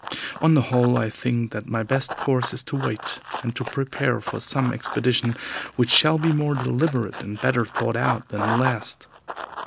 On the whole, I think that my best course is to wait, and to prepare for some expedition which shall be more deliberate and better thought out than the last.